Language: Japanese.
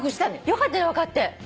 よかったね分かって。